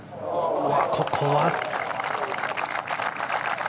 ここは。